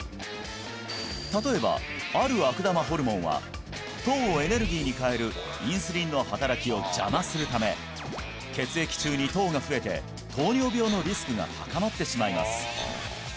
例えばある悪玉ホルモンは糖をエネルギーに変えるインスリンの働きを邪魔するため血液中に糖が増えて糖尿病のリスクが高まってしまいます